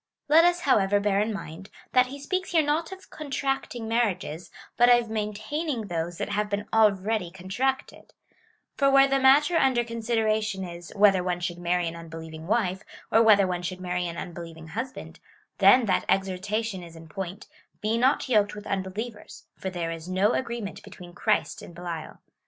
Let us, however, bear in mind, that he speaks here not of contract ing marriages, but of maintaining those that have been already contracted ; for where the matter under considera tion is, whether one should marry an unbelieving wife, or whether one should marry an unbelieving husband, then that exhortation is in point — Be not yoked with unbelievers, for there is no agreement between Christ and Belial.